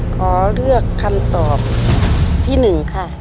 ขอเลือกคำตอบที่หนึ่งค่ะ